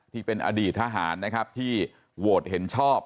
ที่เป็นอดีตทหารที่โหวตเห็นชอบ